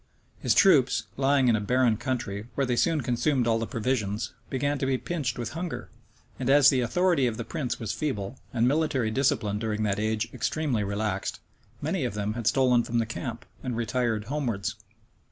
His troops, lying in a barren country, where they soon consumed all the provisions, began to be pinched with hunger; and as the authority of the prince was feeble, and military discipline during that age extremely relaxed, many of them had stolen from the camp, and retired homewards.